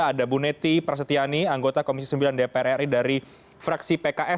ada bu neti prasetyani anggota komisi sembilan dpr ri dari fraksi pks